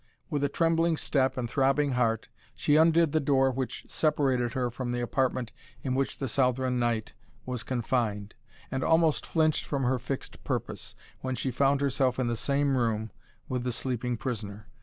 With a trembling step and throbbing heart, she undid the door which separated her from the apartment in which the Southron knight was confined, and almost flinched from her fixed purpose, when she found herself in the same room with the sleeping prisoner.